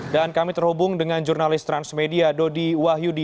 dan kami terhubung dengan jurnalis transmedia dodi wahyudi